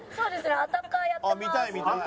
アタッカーやってます。